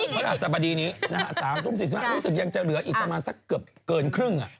ภาษาประดีนี้ฝรั่ง๓๔๕นรู้สึกยังจะเหลืออีกสักเกือบเกินครึ่ง